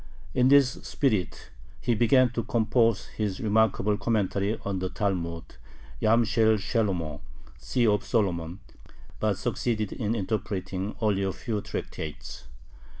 In this spirit he began to compose his remarkable commentary on the Talmud (Yam shel Shelomo, "Sea of Solomon"), but succeeded in interpreting only a few tractates.